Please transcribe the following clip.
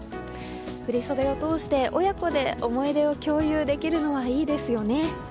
振り袖を通して親子で思い入れを共有できるのはいいですよね。